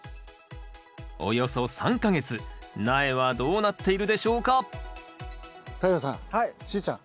およそ３か月苗はどうなっているでしょうか太陽さんしーちゃん。